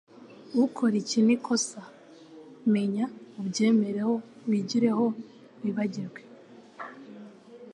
Ukora iki n'ikosa: menya, ubyemere, wigireho, wibagirwe.”